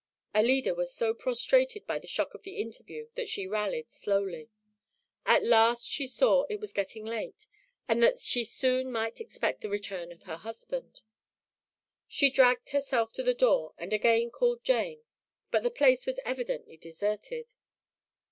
Alida was so prostrated by the shock of the interview that she rallied slowly. At last she saw that it was getting late and that she soon might expect the return of her husband. She dragged herself to the door and again called Jane, but the place was evidently deserted.